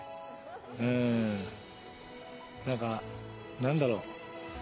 うん何か何だろう。